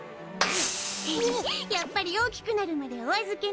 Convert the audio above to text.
やっぱり大きくなるまでお預けね！